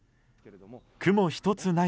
雲一つない